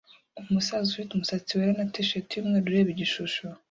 Umusaza ufite umusatsi wera na t-shirt yumweru ureba igishusho